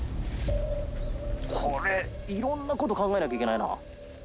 これ色んなこと考えなきゃいけないな